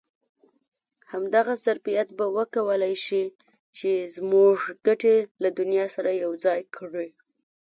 همدغه ظرفیت به وکولای شي چې زموږ ګټې له دنیا سره یو ځای کړي.